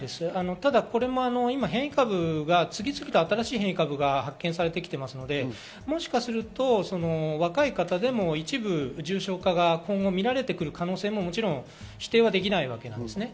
ただ今、変異株が次々新しい物が発見されていますのでもしかすると若い方でも一部重症化が今後見られてくる可能性も否定できないわけです。